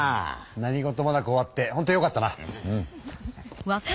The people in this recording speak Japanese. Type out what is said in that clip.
何事もなく終わってほんとよかったな。